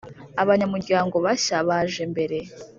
abanyamuryango bashya baje mbere